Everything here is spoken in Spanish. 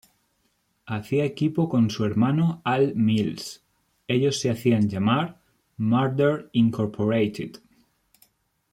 Hacía equipo con su hermano Al Mills, ellos se hacían llamar "Murder Incorporated.